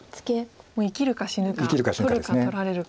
もう生きるか死ぬか取るか取られるか。